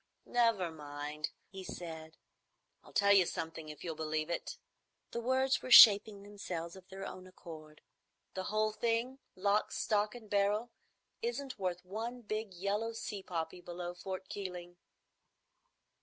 "Never mind," he said. "I'll tell you something, if you'll believe it." The words were shaping themselves of their own accord. "The whole thing, lock, stock, and barrel, isn't worth one big yellow sea poppy below Fort Keeling."